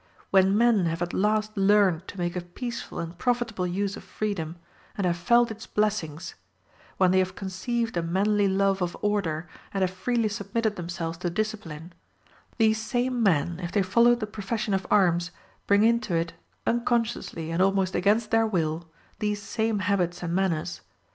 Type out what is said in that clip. When men have at last learned to make a peaceful and profitable use of freedom, and have felt its blessings when they have conceived a manly love of order, and have freely submitted themselves to discipline these same men, if they follow the profession of arms, bring into it, unconsciously and almost against their will, these same habits and manners.